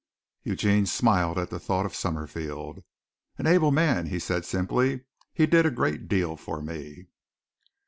Eugene smiled at the thought of Summerfield. "An able man," he said simply. "He did a great deal for me."